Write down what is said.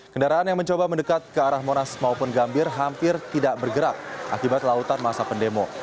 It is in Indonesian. kendaraan yang mencoba mendekat ke arah monas maupun gambir hampir tidak bergerak akibat lautan masa pendemo